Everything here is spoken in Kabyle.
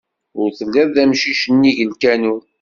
Ur telliḍ d amcic n nnig lkanun.